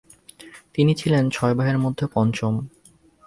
তিনি ছিলেন ছয় ভাইয়ের মধ্যে পঞ্চম।